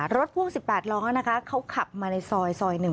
รถพซ่วน๑๘ล้อเขาขับมาในซอย๑